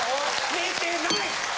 寝てない！